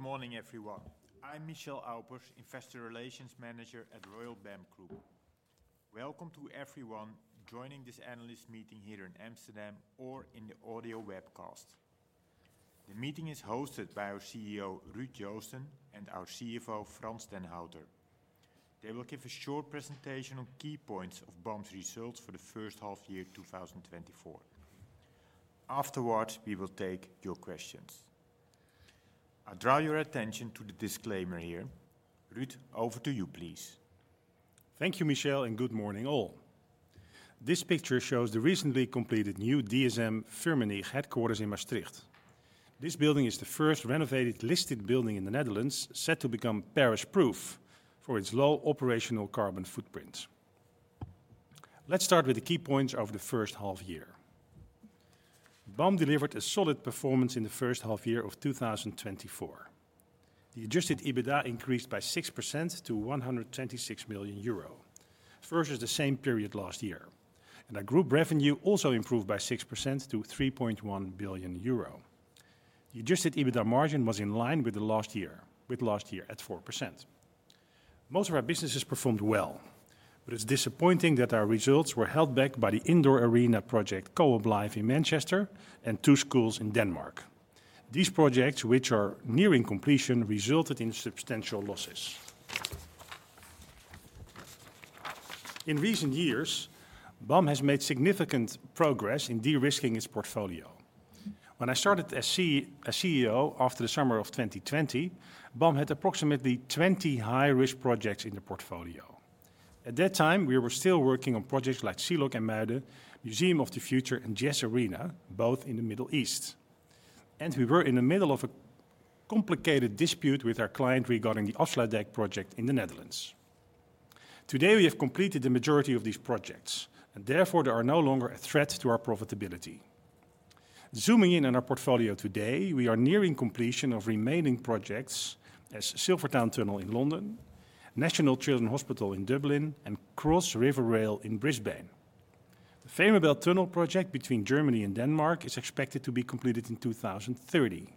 Good morning, everyone. I'm Michel Aupers, Investor Relations Manager at Royal BAM Group. Welcome to everyone joining this analyst meeting here in Amsterdam or in the audio webcast. The meeting is hosted by our CEO, Ruud Joosten, and our CFO, Frans den Houter. They will give a short presentation on key points of BAM's results for the H1 year 2024. Afterwards, we will take your questions. I'll draw your attention to the disclaimer here. Ruud, over to you, please. Thank you, Michel, and good morning, all. This picture shows the recently completed new DSM-Firmenich headquarters in Maastricht. This building is the first renovated listed building in the Netherlands, set to become Paris-proof for its low operational carbon footprint. Let's start with the key points of the H1 year. BAM delivered a solid performance in the H1 year of 2024. The adjusted EBITDA increased by 6% to 126 million euro versus the same period last year, and our group revenue also improved by 6% to 3.1 billion euro. The adjusted EBITDA margin was in line with last year, with last year at 4%. Most of our businesses performed well, but it's disappointing that our results were held back by the indoor arena project Co-op Live in Manchester and two schools in Denmark. These projects, which are nearing completion, resulted in substantial losses. In recent years, BAM has made significant progress in de-risking its portfolio. When I started as CEO after the summer of 2020, BAM had approximately 20 high-risk projects in the portfolio. At that time, we were still working on projects like Sea Lock IJmuiden, Museum of the Future, and Yas Arena, both in the Middle East. We were in the middle of a complicated dispute with our client regarding the Afsluitdijk project in the Netherlands. Today, we have completed the majority of these projects, and therefore there are no longer a threat to our profitability. Zooming in on our portfolio today, we are nearing completion of remaining projects as Silvertown Tunnel in London, National Children's Hospital in Dublin, and Cross River Rail in Brisbane. The Fehmarnbelt Tunnel project between Germany and Denmark is expected to be completed in 2030.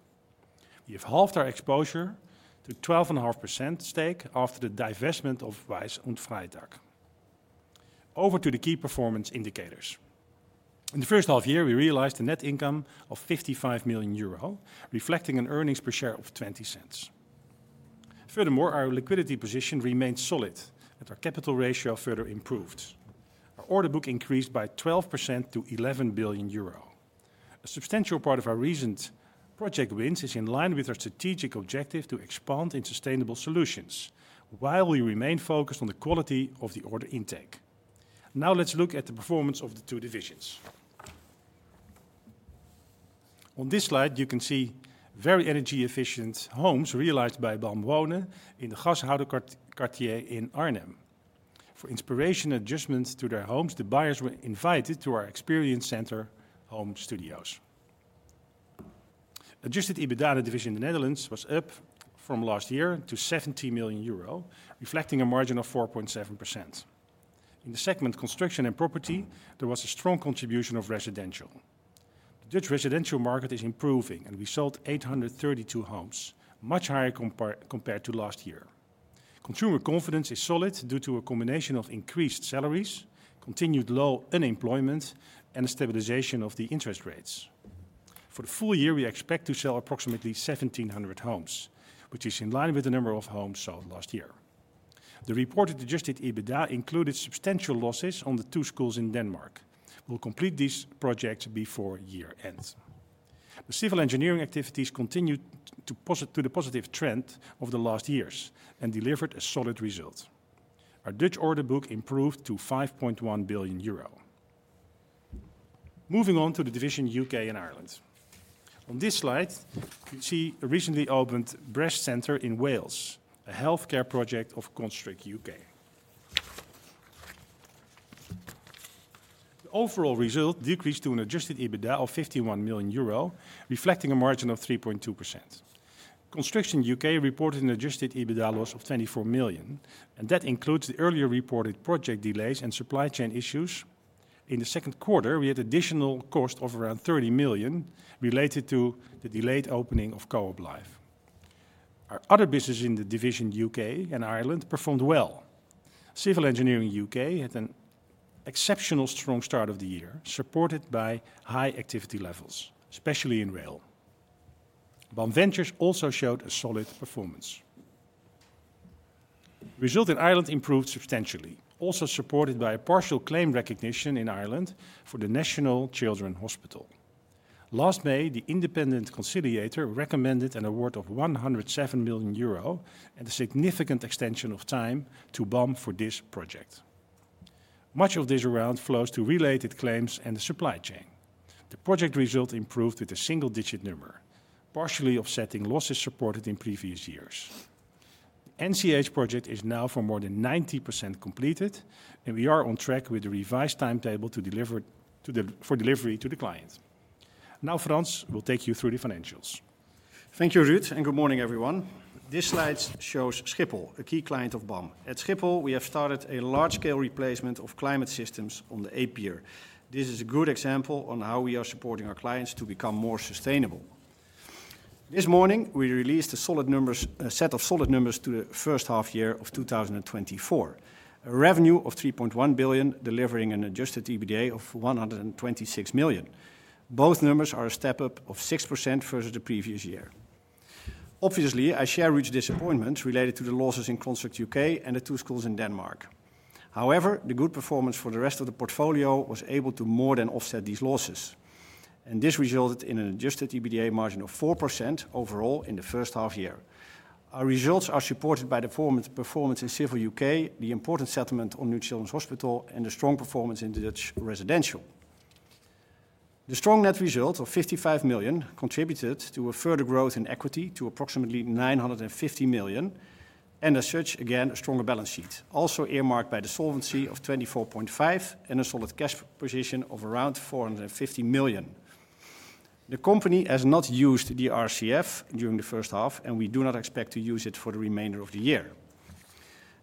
We have halved our exposure to a 12.5% stake after the divestment of Wayss & Freytag. Over to the key performance indicators. In the H1 year, we realized a net income of 55 million euro, reflecting an earnings per share of 0.20. Furthermore, our liquidity position remained solid, and our capital ratio further improved. Our order book increased by 12% to 11 billion euro. A substantial part of our recent project wins is in line with our strategic objective to expand in sustainable solutions while we remain focused on the quality of the order intake. Now let's look at the performance of the two divisions. On this slide, you can see very energy-efficient homes realized by BAM Wonen in the Gashouderskwartier in Arnhem. For inspiration and adjustments to their homes, the buyers were invited to our experience center Homestudios. Adjusted EBITDA in the Netherlands was up from last year to 70 million euro, reflecting a margin of 4.7%. In the segment construction and property, there was a strong contribution of residential. The Dutch residential market is improving, and we sold 832 homes, much higher compared to last year. Consumer confidence is solid due to a combination of increased salaries, continued low unemployment, and a stabilization of the interest rates. For the full year, we expect to sell approximately 1,700 homes, which is in line with the number of homes sold last year. The reported adjusted EBITDA included substantial losses on the two schools in Denmark. We'll complete these projects before year-end. The civil engineering activities continued to contribute to the positive trend of the last years and delivered a solid result. Our Dutch order book improved to 5.1 billion euro. Moving on to the division UK and Ireland. On this slide, you see a recently opened Breast Centre in Wales, a healthcare project of Construct UK. The overall result decreased to an adjusted EBITDA of 51 million euro, reflecting a margin of 3.2%. Construction UK reported an adjusted EBITDA loss of 24 million, and that includes the earlier reported project delays and supply chain issues. In the Q2, we had additional cost of around 30 million related to the delayed opening of Co-op Live. Our other businesses in the division UK and Ireland performed well. Civil Engineering UK had an exceptional strong start of the year, supported by high activity levels, especially in rail. BAM Ventures also showed a solid performance. Result in Ireland improved substantially, also supported by a partial claim recognition in Ireland for the National Children's Hospital. Last May, the independent conciliator recommended an award of 107 million euro and a significant extension of time to BAM for this project. Much of this round flows to related claims and the supply chain. The project result improved with a single-digit number, partially offsetting losses supported in previous years. The NCH project is now for more than 90% completed, and we are on track with the revised timetable to deliver for delivery to the client. Now, Frans, we'll take you through the financials. Thank you, Ruud, and good morning, everyone. This slide shows Schiphol, a key client of BAM. At Schiphol, we have started a large-scale replacement of climate systems on the Pier A. This is a good example on how we are supporting our clients to become more sustainable. This morning, we released a set of solid numbers to the H1 year of 2024, a revenue of 3.1 billion, delivering an Adjusted EBITDA of 126 million. Both numbers are a step up of 6% versus the previous year. Obviously, I share Ruud's disappointment related to the losses in Construct UK and the two schools in Denmark. However, the good performance for the rest of the portfolio was able to more than offset these losses, and this resulted in an Adjusted EBITDA margin of 4% overall in the H1 year. Our results are supported by the performance in civil UK, the important settlement on New Children's Hospital, and the strong performance in the Dutch residential. The strong net result of 55 million contributed to a further growth in equity to approximately 950 million, and as such, again, a stronger balance sheet, also earmarked by the solvency of 24.5 million and a solid cash position of around 450 million. The company has not used the RCF during the H1, and we do not expect to use it for the remainder of the year.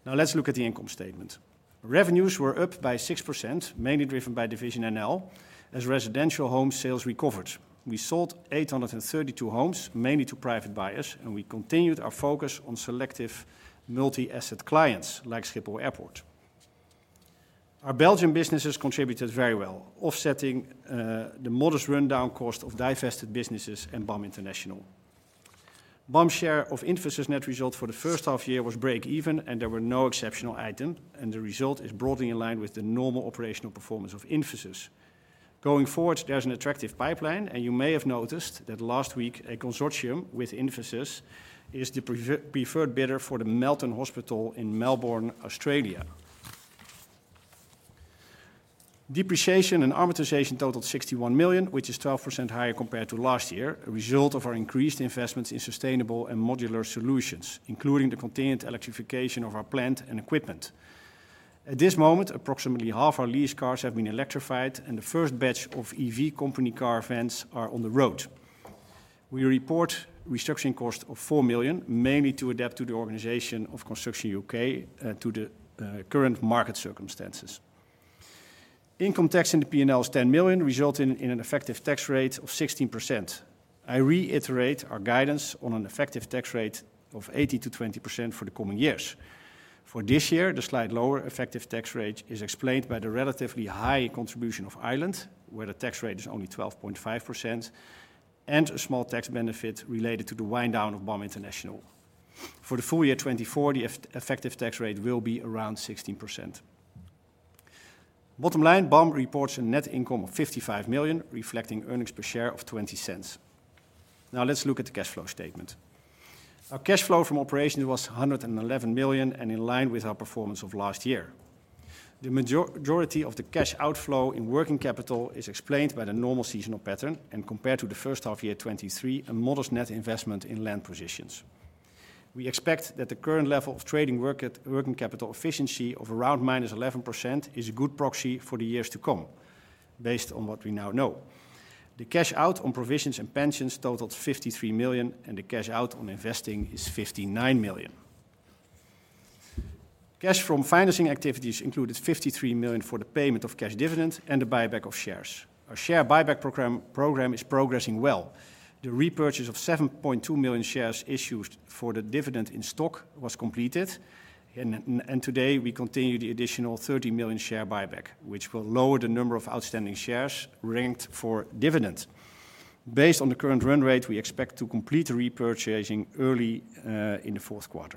Now, let's look at the income statement. Revenues were up by 6%, mainly driven by division NL, as residential home sales recovered. We sold 832 homes, mainly to private buyers, and we continued our focus on selective multi-asset clients like Schiphol Airport. Our Belgian businesses contributed very well, offsetting the modest rundown cost of divested businesses and BAM International. BAM's share of Invesis net result for the H1 year was break-even, and there were no exceptional items, and the result is broadly in line with the normal operational performance of Invesis. Going forward, there's an attractive pipeline, and you may have noticed that last week, a consortium with Invesis is the preferred bidder for the Melton Hospital in Melbourne, Australia. Depreciation and amortization totaled 61 million, which is 12% higher compared to last year, a result of our increased investments in sustainable and modular solutions, including the container electrification of our plant and equipment. At this moment, approximately half our lease cars have been electrified, and the first batch of EV company car vans are on the road. We report restructuring cost of 4 million, mainly to adapt to the organization of Construction UK to the current market circumstances. Income tax in the P&L is 10 million, resulting in an effective tax rate of 16%. I reiterate our guidance on an effective tax rate of 18%-20% for the coming years. For this year, the slight lower effective tax rate is explained by the relatively high contribution of Ireland, where the tax rate is only 12.5%, and a small tax benefit related to the wind-down of BAM International. For the full year 2024, the effective tax rate will be around 16%. Bottom line, BAM reports a net income of 55 million, reflecting earnings per share of 0.20. Now, let's look at the cash flow statement. Our cash flow from operations was 111 million, and in line with our performance of last year. The majority of the cash outflow in working capital is explained by the normal seasonal pattern, and compared to the H1 year 2023, a modest net investment in land positions. We expect that the current level of trading working capital efficiency of around -11% is a good proxy for the years to come, based on what we now know. The cash out on provisions and pensions totaled 53 million, and the cash out on investing is 59 million. Cash from financing activities included 53 million for the payment of cash dividends and the buyback of shares. Our share buyback program is progressing well. The repurchase of 7.2 million shares issued for the dividend in stock was completed, and today we continue the additional 30 million share buyback, which will lower the number of outstanding shares ranked for dividend. Based on the current run rate, we expect to complete repurchasing early in the Q4.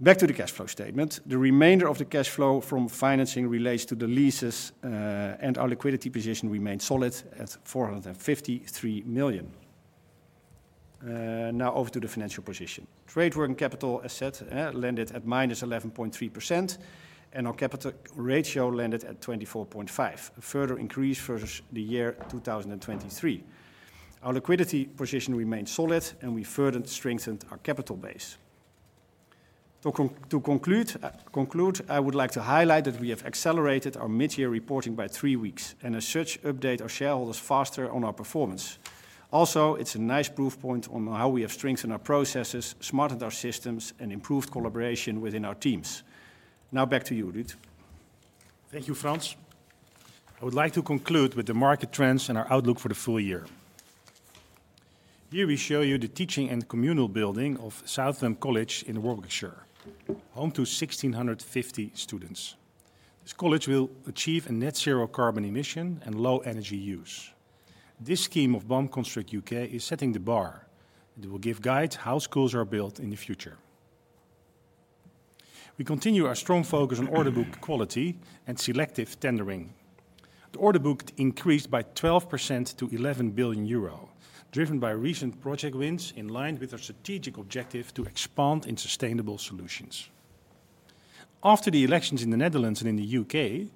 Back to the cash flow statement. The remainder of the cash flow from financing relates to the leases, and our liquidity position remained solid at 453 million. Now, over to the financial position. Trade working capital asset landed at -11.3%, and our capital ratio landed at 24.5%, a further increase versus the year 2023. Our liquidity position remained solid, and we further strengthened our capital base. To conclude, I would like to highlight that we have accelerated our mid-year reporting by three weeks, and as such, update our shareholders faster on our performance. Also, it's a nice proof point on how we have strengthened our processes, smartened our systems, and improved collaboration within our teams. Now, back to you, Ruud. Thank you, Frans. I would like to conclude with the market trends and our outlook for the full year. Here we show you the teaching and communal building of Southam College in Warwickshire, home to 1,650 students. This college will achieve a net zero carbon emission and low energy use. This scheme of BAM Construct UK is setting the bar. It will give guide how schools are built in the future. We continue our strong focus on order book quality and selective tendering. The order book increased by 12% to 11 billion euro, driven by recent project wins in line with our strategic objective to expand in sustainable solutions. After the elections in the Netherlands and in the UK,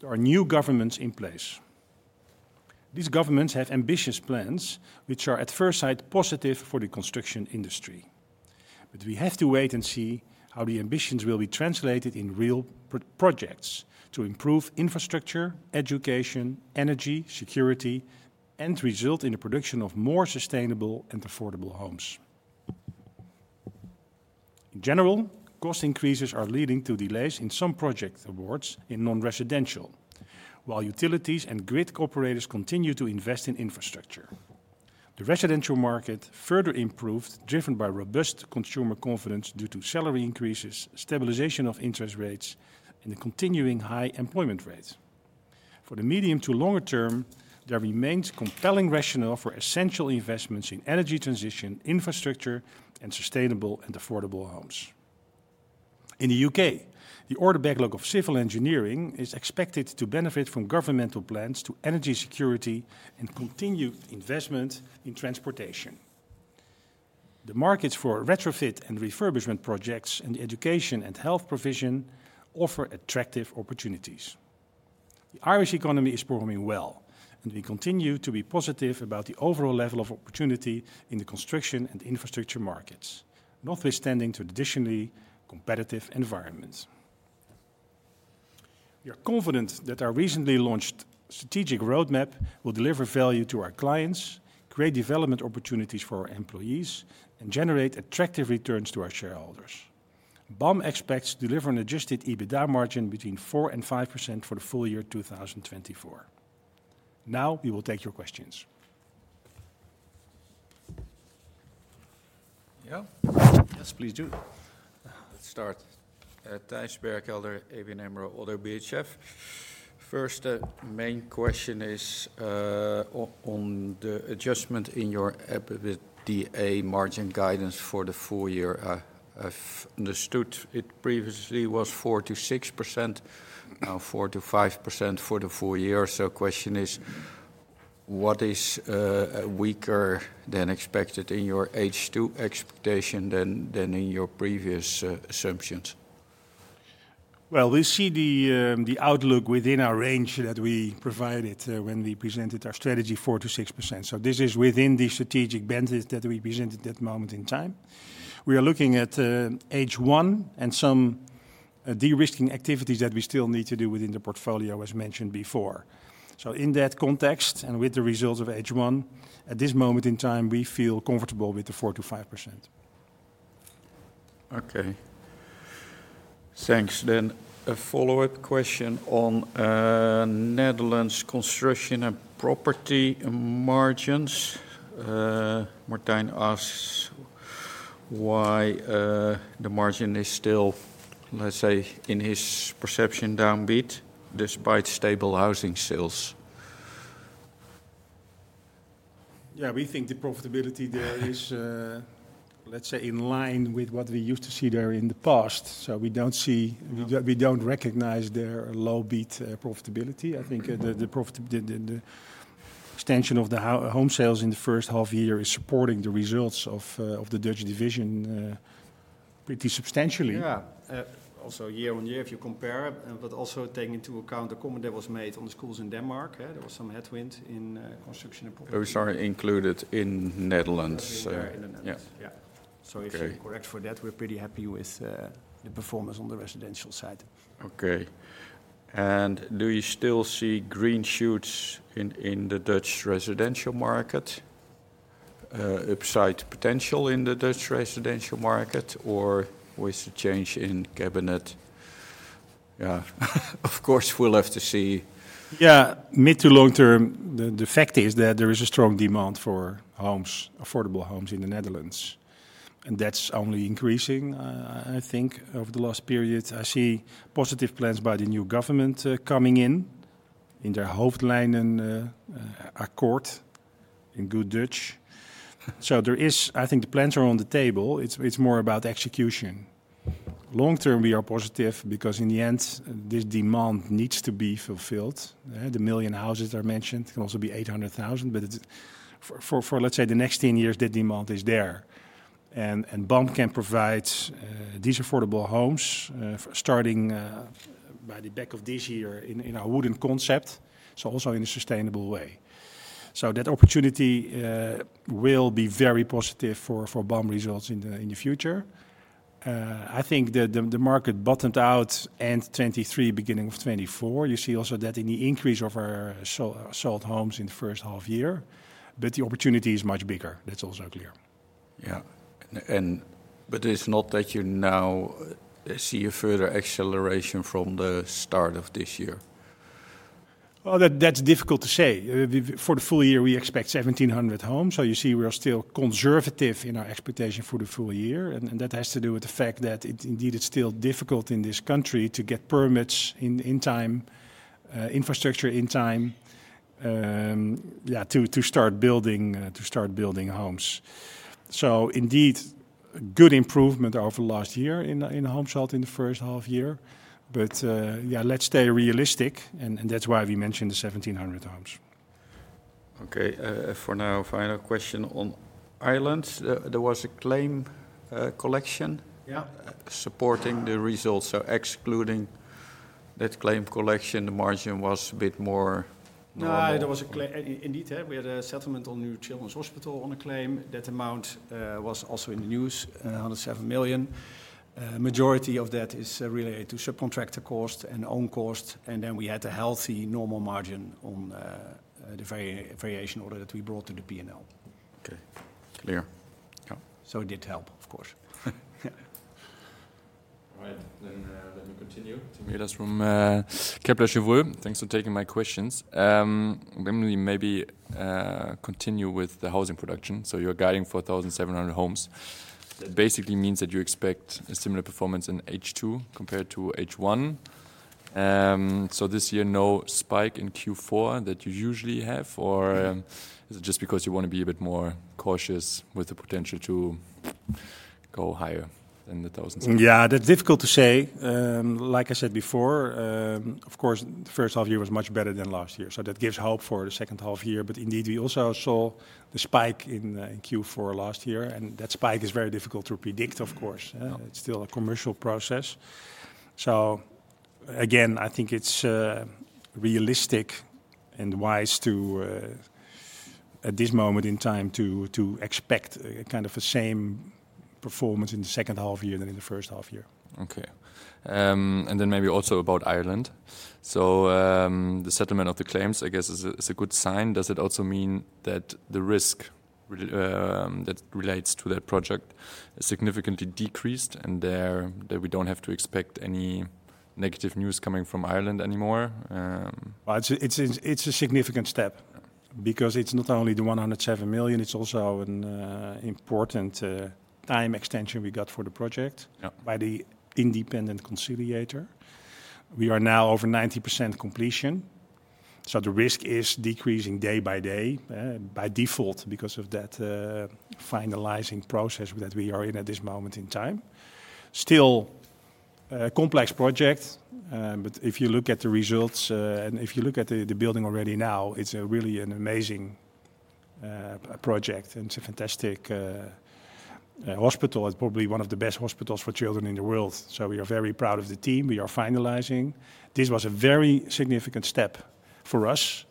there are new governments in place. These governments have ambitious plans, which are at first sight positive for the construction industry. But we have to wait and see how the ambitions will be translated in real projects to improve infrastructure, education, energy, security, and result in the production of more sustainable and affordable homes. In general, cost increases are leading to delays in some project awards in non-residential, while utilities and grid operators continue to invest in infrastructure. The residential market further improved, driven by robust consumer confidence due to salary increases, stabilization of interest rates, and the continuing high employment rate. For the medium to longer term, there remains compelling rationale for essential investments in energy transition, infrastructure, and sustainable and affordable homes. In the UK, the order backlog of civil engineering is expected to benefit from governmental plans to energy security and continued investment in transportation. The markets for retrofit and refurbishment projects and the education and health provision offer attractive opportunities. The Irish economy is performing well, and we continue to be positive about the overall level of opportunity in the construction and infrastructure markets, notwithstanding traditionally competitive environments. We are confident that our recently launched strategic roadmap will deliver value to our clients, create development opportunities for our employees, and generate attractive returns to our shareholders. BAM expects to deliver an Adjusted EBITDA margin between 4% and 5% for the full year 2024. Now, we will take your questions. Yes, please do. Let's start. Thijs Berkelder, ABN AMRO - ODDO BHF. First, the main question is on the adjustment in your EBITDA margin guidance for the full year. I've understood it previously was 4%-6%, now 4%-5% for the full year. So the question is, what is weaker than expected in your H2 expectation than in your previous assumptions? Well, we see the outlook within our range that we provided when we presented our strategy, 4%-6%. So this is within the strategic bandwidth that we presented at that moment in time. We are looking at H1 and some de-risking activities that we still need to do within the portfolio, as mentioned before. So in that context and with the results of H1, at this moment in time, we feel comfortable with the 4%-5%. Okay. Thanks. Then a follow-up question on Netherlands construction and property margins. Martijn asks why the margin is still, let's say, in his perception, downbeat, despite stable housing sales. Yeah, we think the profitability there is, let's say, in line with what we used to see there in the past. So we don't see, we don't recognize their low-beat profitability. I think the extension of the home sales in the H1 year is supporting the results of the Dutch division pretty substantially. Yeah. Also, year-over-year, if you compare it, but also taking into account the comment that was made on the schools in Denmark, there was some headwind in construction and property, were solely included in Netherlands. Yeah, in the Netherlands. Yeah. If you're correct for that, we're pretty happy with the performance on the residential side. Okay. And do you still see green shoots in the Dutch residential market? Upside potential in the Dutch residential market or with the change in cabinet? Yeah, of course, we'll have to see. Yeah, mid- to long-term, the fact is that there is a strong demand for homes, affordable homes in the Netherlands. And that's only increasing, I think, over the last period. I see positive plans by the new government coming in, in their Hoofdlijnenakkoord, in good Dutch. So there is, I think the plans are on the table. It's more about execution. Long-term, we are positive because in the end, this demand needs to be fulfilled. The million houses that are mentioned can also be 800,000, but for, let's say, the next 10 years, that demand is there. And BAM can provide these affordable homes starting by the back of this year in our wooden concept, so also in a sustainable way. So that opportunity will be very positive for BAM results in the future. I think the market bottomed out end 2023, beginning of 2024. You see also that in the increase of our sold homes in the H1 year, but the opportunity is much bigger. That's also clear. Yeah. But it's not that you now see a further acceleration from the start of this year. Well, that's difficult to say. For the full year, we expect 1,700 homes. So you see, we are still conservative in our expectation for the full year. And that has to do with the fact that indeed it's still difficult in this country to get permits in time, infrastructure in time, yeah, to start building, to start building homes. So indeed, good improvement over the last year in home sales in the H1 year. But yeah, let's stay realistic, and that's why we mentioned the 1,700 homes. Okay. For now, final question on Ireland. There was a claim collection supporting the results. So excluding that claim collection, the margin was a bit more. No, there was a claim. Indeed, we had a settlement on New Children's Hospital on a claim. That amount was also in the news, 107 million. Majority of that is related to subcontractor cost and own cost. And then we had a healthy normal margin on the variation order that we brought to the P&L. Okay. Clear. It did help, of course. All right. Let me continue. Thank you, Midas from Kepler Cheuvreux. Thanks for taking my questions. Then we maybe continue with the housing production. So you're guiding 4,700 homes. That basically means that you expect a similar performance in H2 compared to H1. So this year, no spike in Q4 that you usually have, or is it just because you want to be a bit more cautious with the potential to go higher than the 1,700? Yeah, that's difficult to say. Like I said before, of course, the H1 year was much better than last year. So that gives hope for the second half year. But indeed, we also saw the spike in Q4 last year. And that spike is very difficult to predict, of course. It's still a commercial process. So again, I think it's realistic and wise to, at this moment in time, to expect kind of the same performance in the second half year than in the H1 year. Okay. And then maybe also about Ireland. So the settlement of the claims, I guess, is a good sign. Does it also mean that the risk that relates to that project is significantly decreased and that we don't have to expect any negative news coming from Ireland anymore? It's a significant step because it's not only the 107 million, it's also an important time extension we got for the project by the independent conciliator. We are now over 90% completion. So the risk is decreasing day by day by default because of that finalizing process that we are in at this moment in time. Still a complex project, but if you look at the results and if you look at the building already now, it's really an amazing project and it's a fantastic hospital. It's probably one of the best hospitals for children in the world. So we are very proud of the team. We are finalizing. This was a very significant step for us,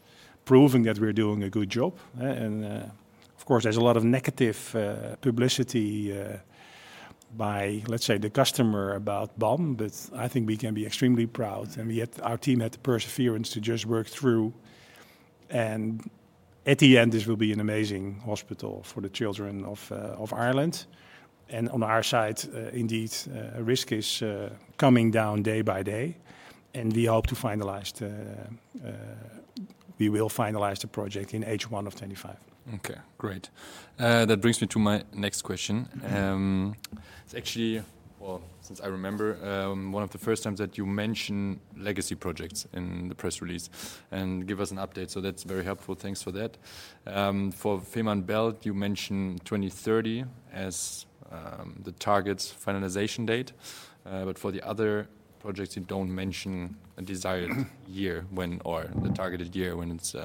proving that we're doing a good job. And of course, there's a lot of negative publicity by, let's say, the customer about BAM, but I think we can be extremely proud. Our team had the perseverance to just work through. At the end, this will be an amazing hospital for the children of Ireland. On our side, indeed, risk is coming down day by day. We hope to finalize, we will finalize the project in H1 of 2025. Okay, great. That brings me to my next question. It's actually, well, since I remember, one of the first times that you mentioned legacy projects in the press release and give us an update. So that's very helpful. Thanks for that. For Fehmarnbelt, you mentioned 2030 as the target finalization date. But for the other projects, you don't mention a desired year when or the targeted year when it's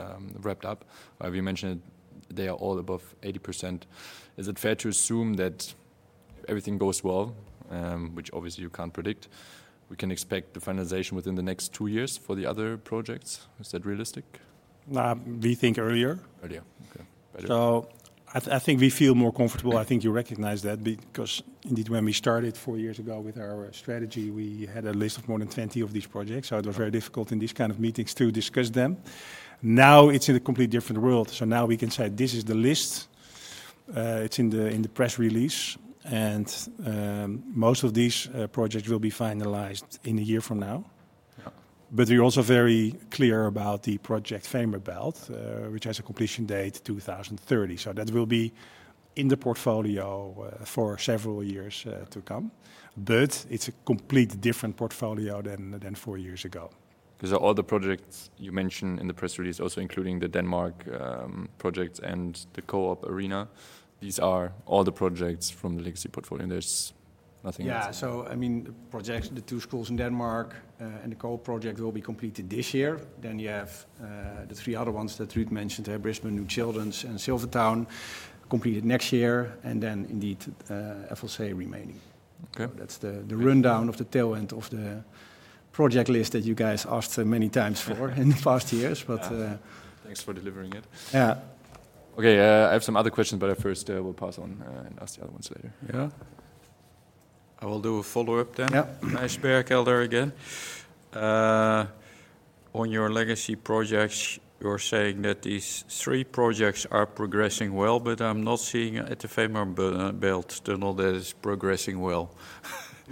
wrapped up. We mentioned they are all above 80%. Is it fair to assume that everything goes well, which obviously you can't predict? We can expect the finalization within the next two years for the other projects. Is that realistic? We think earlier. Earlier. Okay. So I think we feel more comfortable. I think you recognize that because indeed, when we started four years ago with our strategy, we had a list of more than 20 of these projects. So it was very difficult in these kind of meetings to discuss them. Now it's in a completely different world. So now we can say this is the list. It's in the press release. And most of these projects will be finalized in a year from now. But we're also very clear about the project Fehmarnbelt, which has a completion date 2030. So that will be in the portfolio for several years to come. But it's a completely different portfolio than four years ago. Because all the projects you mentioned in the press release, also including the Denmark projects and the Co-op arena, these are all the projects from the legacy portfolio. There's nothing else. Yeah. So I mean, the projects, the two schools in Denmark and the Co-op project will be completed this year. Then you have the three other ones that Ruud mentioned, Brisbane, NCH, and Silvertown, completed next year. And then indeed, Fehmarnbelt remaining. That's the rundown of the tail end of the project list that you guys asked many times for in the past years. Thanks for delivering it. Yeah. Okay. I have some other questions, but I first will pass on and ask the other ones later. Yeah. I will do a follow-up then. Thijs Berkelder again. On your legacy projects, you're saying that these three projects are progressing well, but I'm not seeing at the Fehmarnbelt Tunnel that is progressing well.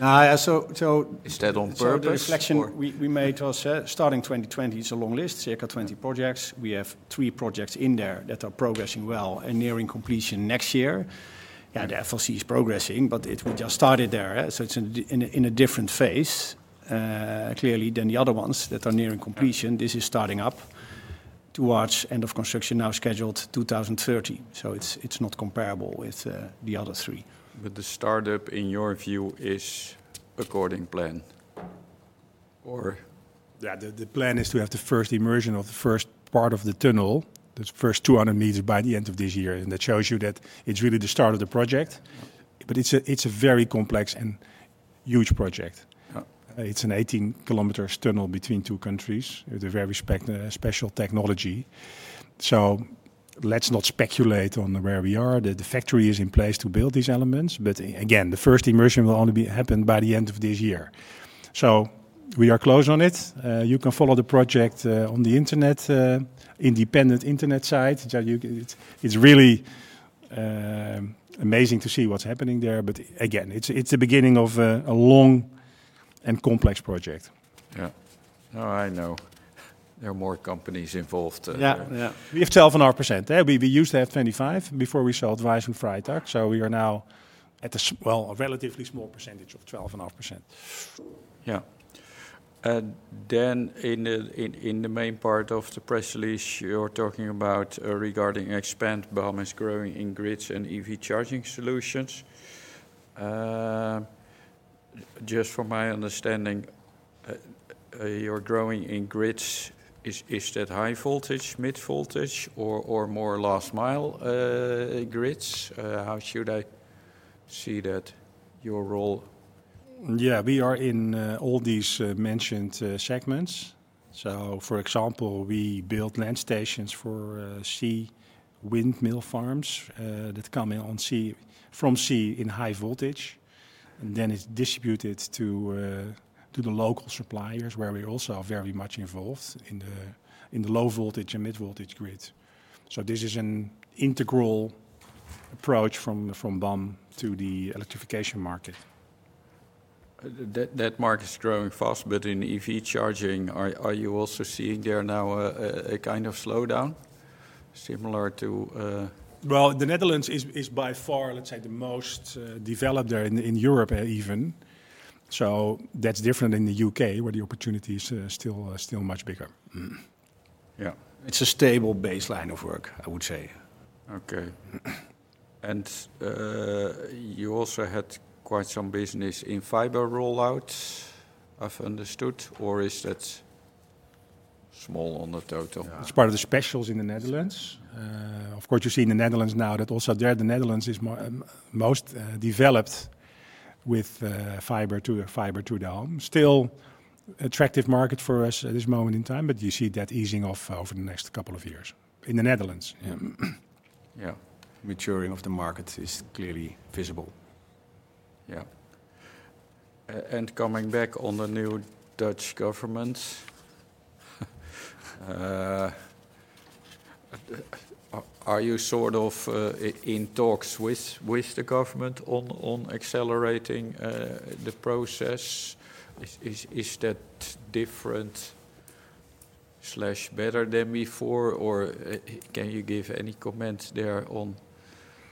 So it's that on purpose. The reflection we made was starting 2020 is a long list, circa 20 projects. We have three projects in there that are progressing well and nearing completion next year. Yeah, the FLC is progressing, but we just started there. So it's in a different phase, clearly, than the other ones that are nearing completion. This is starting up towards end of construction now scheduled 2030. So it's not comparable with the other three. But the startup, in your view, is according to plan or? Yeah, the plan is to have the first immersion of the first part of the tunnel, the first 200 meters by the end of this year. And that shows you that it's really the start of the project. But it's a very complex and huge project. It's an 18-kilometer tunnel between two countries with a very special technology. So let's not speculate on where we are. The factory is in place to build these elements. But again, the first immersion will only happen by the end of this year. So we are close on it. You can follow the project on the internet, independent internet site. It's really amazing to see what's happening there. But again, it's the beginning of a long and complex project. Yeah. No, I know. There are more companies involved. Yeah, yeah. We have 12.5%. We used to have 25% before we sold Wayss & Freytag. So we are now at a, well, a relatively small percentage of 12.5%. Yeah. Then in the main part of the press release, you're talking about regarding expansion. BAM is growing in grids and EV charging solutions. Just from my understanding, you're growing in grids; is that high voltage, mid voltage, or more last mile grids? How should I see that, your role? Yeah, we are in all these mentioned segments. So for example, we build land stations for sea wind mill farms that come in on sea from sea in high voltage. And then it's distributed to the local suppliers where we're also very much involved in the low voltage and mid voltage grids. So this is an integral approach from BAM to the electrification market. That market's growing fast, but in EV charging, are you also seeing there now a kind of slowdown similar to? Well, the Netherlands is by far, let's say, the most developed there in Europe even. So that's different than the UK, where the opportunity is still much bigger. Yeah. It's a stable baseline of work, I would say. Okay. And you also had quite some business in fiber rollouts, I've understood, or is that small on the total? It's part of the specials in the Netherlands. Of course, you see in the Netherlands now that also there, the Netherlands is most developed with fiber to the home. Still attractive market for us at this moment in time, but you see that easing off over the next couple of years in the Netherlands. Yeah. Maturing of the market is clearly visible. Yeah. Coming back on the new Dutch government, are you sort of in talks with the government on accelerating the process? Is that different/better than before, or can you give any comments there on?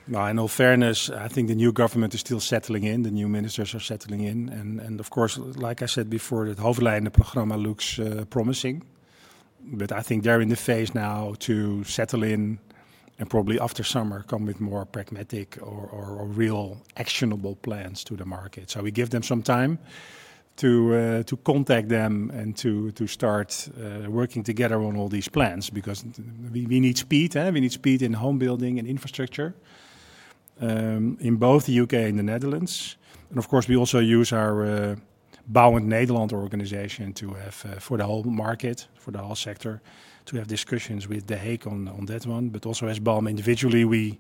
Well, in all fairness, I think the new government is still settling in. The new ministers are settling in. And of course, like I said before, that Hoofdlijnenakkoord and the program looks promising. But I think they're in the phase now to settle in and probably after summer come with more pragmatic or real actionable plans to the market. So we give them some time to contact them and to start working together on all these plans because we need speed. We need speed in home building and infrastructure in both the UK and the Netherlands. And of course, we also use our BAM and Netherlands organization to have for the whole market, for the whole sector to have discussions with The Hague on that one. But also as BAM individually, we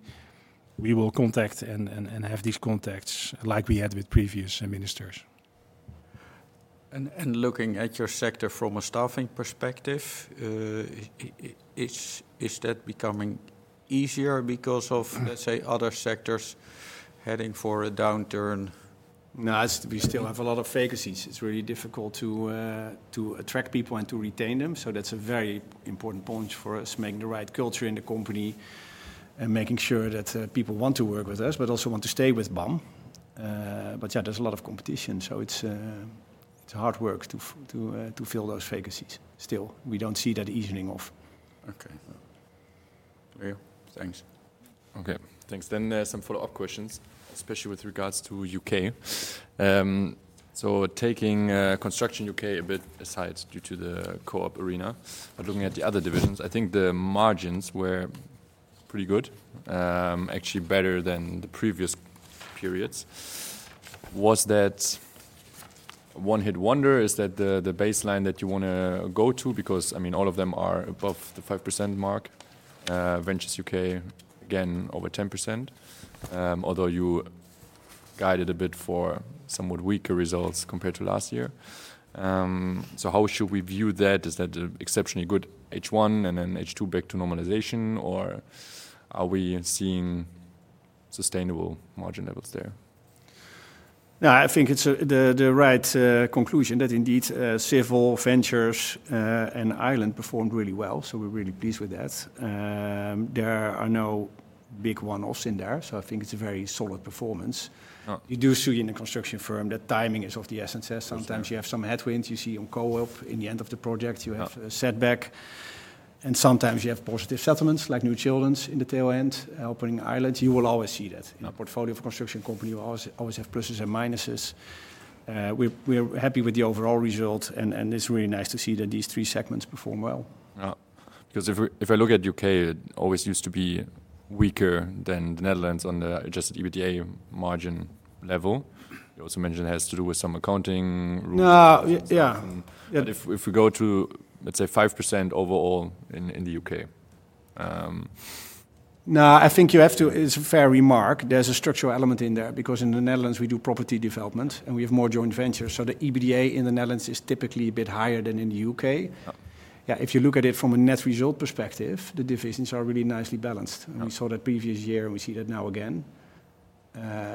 will contact and have these contacts like we had with previous ministers. Looking at your sector from a staffing perspective, is that becoming easier because of, let's say, other sectors heading for a downturn? No, we still have a lot of vacancies. It's really difficult to attract people and to retain them. So that's a very important point for us, making the right culture in the company and making sure that people want to work with us, but also want to stay with BAM. But yeah, there's a lot of competition. So it's hard work to fill those vacancies. Still, we don't see that easing off. Some follow-up questions, especially with regards to UK. So taking Construction UK a bit aside due to the Co-op arena, but looking at the other divisions, I think the margins were pretty good, actually better than the previous periods. Was that one-hit wonder? Is that the baseline that you want to go to? Because I mean, all of them are above the 5% mark. Ventures UK, again, over 10%, although you guided a bit for somewhat weaker results compared to last year. So how should we view that? Is that exceptionally good H1 and then H2 back to normalization, or are we seeing sustainable margin levels there? No, I think it's the right conclusion that indeed Civil, Ventures, and Ireland performed really well. So we're really pleased with that. There are no big one-offs in there. So I think it's a very solid performance. You do see in a construction firm that timing is of the essence. Sometimes you have some headwinds you see on Co-op in the end of the project. You have a setback. And sometimes you have positive settlements like NCH in the tail end, helping Ireland. You will always see that in a portfolio of construction company. You always have pluses and minuses. We're happy with the overall result. And it's really nice to see that these three segments perform well. Yeah. Because if I look at UK, it always used to be weaker than the Netherlands on the Adjusted EBITDA margin level. You also mentioned it has to do with some accounting rules. No, yeah. But if we go to, let's say, 5% overall in the UK. No, I think you have to, it's a fair remark. There's a structural element in there because in the Netherlands, we do property development and we have more joint ventures. So the EBITDA in the Netherlands is typically a bit higher than in the UK. Yeah, if you look at it from a net result perspective, the divisions are really nicely balanced. We saw that previous year and we see that now again.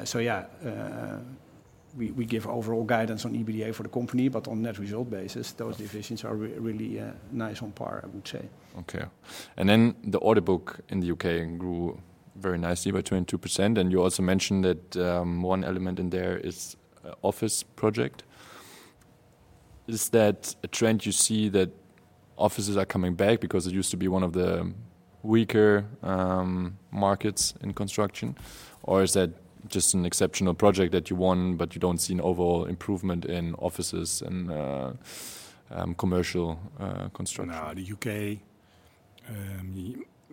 So yeah, we give overall guidance on EBITDA for the company, but on net result basis, those divisions are really nice on par, I would say. Okay. Then the order book in the UK grew very nicely by 22%. You also mentioned that one element in there is office project. Is that a trend you see that offices are coming back because it used to be one of the weaker markets in construction, or is that just an exceptional project that you won, but you don't see an overall improvement in offices and commercial construction? No, the UK,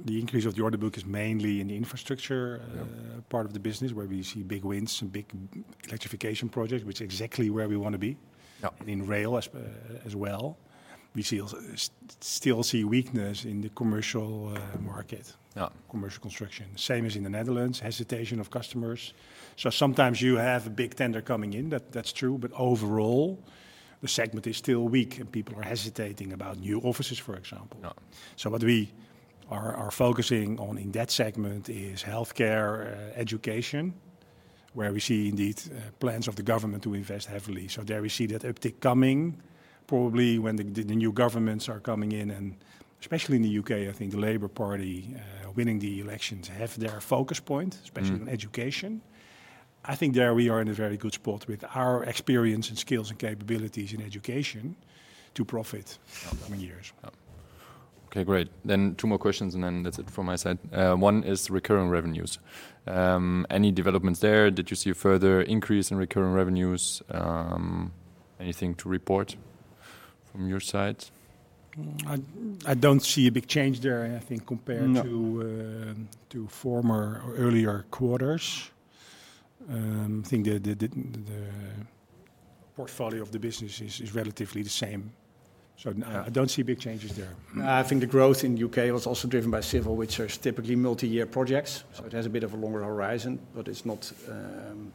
the increase of the order book is mainly in the infrastructure part of the business where we see big wins and big electrification projects, which is exactly where we want to be in rail as well. We still see weakness in the commercial market, commercial construction. Same as in the Netherlands, hesitation of customers. So sometimes you have a big tender coming in, that's true. But overall, the segment is still weak and people are hesitating about new offices, for example. So what we are focusing on in that segment is healthcare, education, where we see indeed plans of the government to invest heavily. So there we see that uptick coming probably when the new governments are coming in. And especially in the UK, I think the Labour Party winning the elections have their focus point, especially on education. I think there we are in a very good spot with our experience and skills and capabilities in education to profit in the coming years. Okay, great. Then two more questions and then that's it from my side. One is recurring revenues. Any developments there? Did you see a further increase in recurring revenues? Anything to report from your side? I don't see a big change there, I think, compared to former or earlier quarters. I think the portfolio of the business is relatively the same. So I don't see big changes there. I think the growth in the UK was also driven by civil, which are typically multi-year projects. So it has a bit of a longer horizon, but it's not,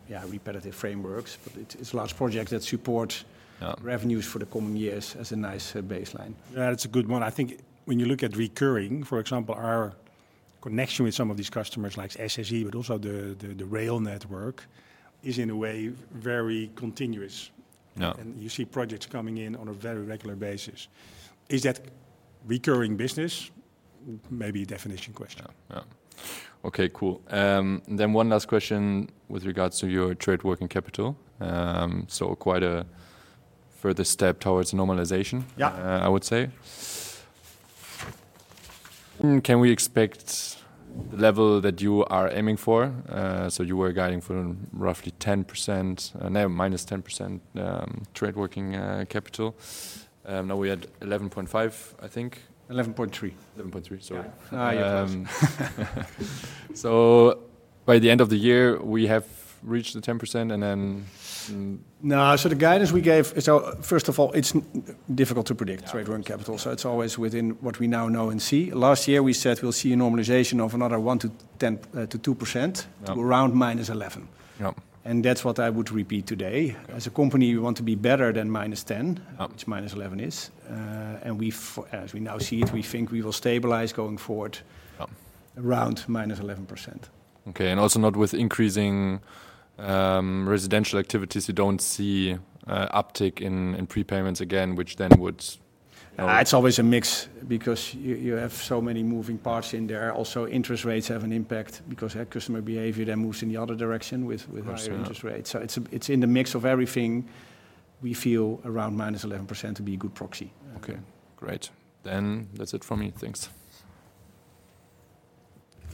yeah, repetitive frameworks, but it's large projects that support revenues for the coming years as a nice baseline. Yeah. That's a good one. I think when you look at recurring, for example, our connection with some of these customers like SSE, but also the rail network is in a way very continuous. And you see projects coming in on a very regular basis. Is that recurring business? Maybe a definition question. Yeah. Okay, cool. Then one last question with regards to your trade working capital. So quite a further step towards normalization, I would say. Can we expect the level that you are aiming for? So you were guiding for roughly 10%, now -10% trade working capital. Now we had 11.5, I think. 11.3. 11.3, sorry. No, you're fine. By the end of the year, we have reached the 10% and then. No, so the guidance we gave, so first of all, it's difficult to predict trade working capital. So it's always within what we now know and see. Last year, we said we'll see a normalization of another 1%-2% to around -11%. And that's what I would repeat today. As a company, we want to be better than -10%, which -11% is. And as we now see it, we think we will stabilize going forward around -11%. Okay. And also not with increasing residential activities, you don't see uptick in prepayments again, which then would. It's always a mix because you have so many moving parts in there. Also, interest rates have an impact because customer behavior then moves in the other direction with higher interest rates. So it's in the mix of everything we feel around -11% to be a good proxy. Okay, great. Then that's it from me. Thanks.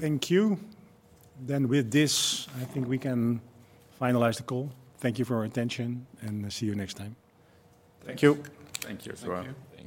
Thank you. With this, I think we can finalize the call. Thank you for your attention and see you next time. Thank you. Thank you.